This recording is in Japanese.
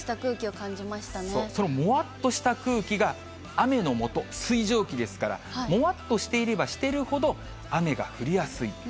そのもわっとした空気が雨のもと、水蒸気ですから、もわっとしていればしているほど、雨が降りやすい。